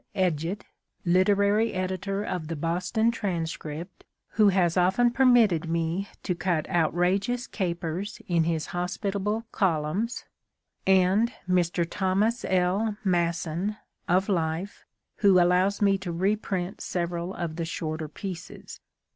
Edgett, literary editor of The Boston Transcript, who has often permitted me to cut outrageous capers in his hospitable columns; and Mr. Thomas L. Masson, of Life, who allows me to reprint several of the shorter pieces.